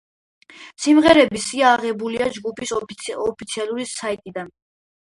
სიმღერების სია აღებულია ჯგუფის ოფიციალური საიტიდან.